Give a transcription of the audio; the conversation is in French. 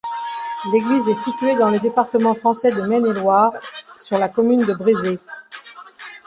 L'église est située dans le département français de Maine-et-Loire, sur la commune de Brézé.